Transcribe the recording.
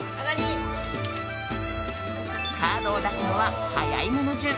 カードを出すのは早い者順。